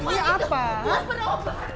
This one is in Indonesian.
ibu itu buat perobahan